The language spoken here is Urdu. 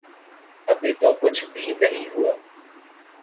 ابھی تو کچھ بھی نہیں ہوا۔